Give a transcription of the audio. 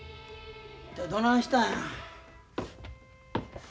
どないしたんや？